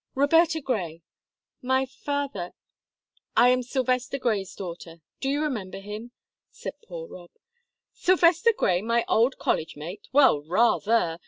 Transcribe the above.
"Roberta Grey. My father I am Sylvester Grey's daughter; do you remember him?" said poor Rob. "Sylvester Grey, my old college mate? Well, rather!